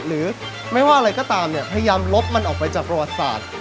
หรือไม่ว่าอะไรก็ตามเนี่ยพยายามลบมันออกไปจากประวัติศาสตร์